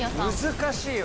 難しいわ！